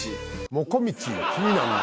もこみち気になるな。